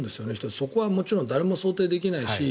そこはもちろん誰も想定できないし